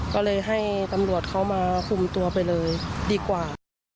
ก็เลยให้ตำรวจเขามาคุมตัวไปเลยดีกว่า